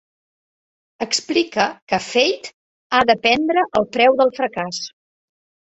Explica que Feyd ha d'aprendre el preu del fracàs.